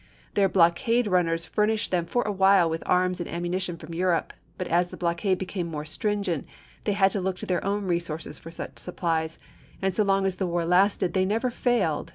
Their blockade runners furnished them for a while with arms and ammunition from Europe; but as the blockade became more stringent they had to look to their own resources for such supplies, and so long as the war lasted they never failed, what Vol.